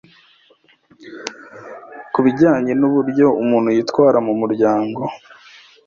ku bijyanye n’uburyo umuntu yitwara mu muryango